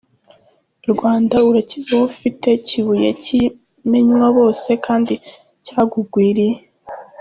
Rwanda urakize wowe ufite Kibuye cy’ikimenywa bose kdi cyakugwiriye!